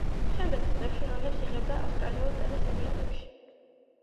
შემდეგ წლებში როლებს იღებდა ავსტრალიურ ტელესერიალებში.